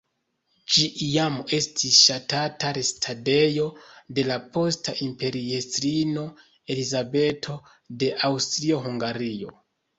Ĝi iam estis ŝatata restadejo de la posta imperiestrino Elizabeto de Aŭstrio-Hungario.